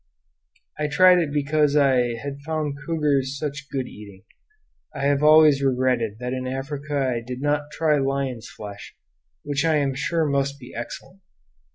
I tried it because I had found cougars such good eating; I have always regretted that in Africa I did not try lion's flesh, which I am sure must be excellent.